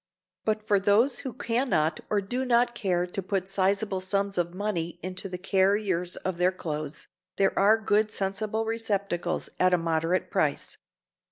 But for those who can not or do not care to put sizable sums of money into the carriers of their clothes, there are good sensible receptacles at a moderate price.